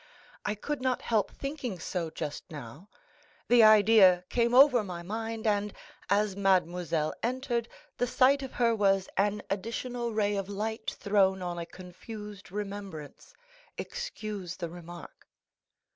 I could not help thinking so just now; the idea came over my mind, and as mademoiselle entered the sight of her was an additional ray of light thrown on a confused remembrance; excuse the remark."